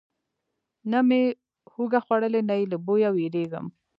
نه مې هوږه خوړلې، نه یې له بویه ویریږم.